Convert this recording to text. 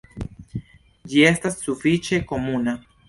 Ĝi estas sufiĉe komuna.